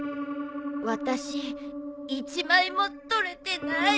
私一枚も取れてない。